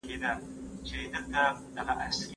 صابر شاه په جرګه کي څه وکړل؟